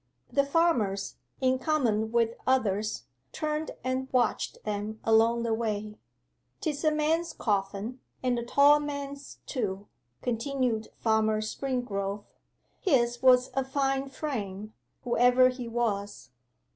The farmers, in common with others, turned and watched them along the way. ''Tis a man's coffin, and a tall man's, too,' continued Farmer Springrove. 'His was a fine frame, whoever he was.